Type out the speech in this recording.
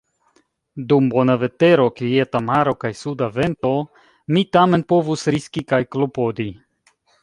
Dum bona vetero, kvieta maro kaj suda vento mi tamen povus riski kaj klopodi.